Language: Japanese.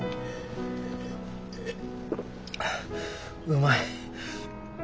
うまい。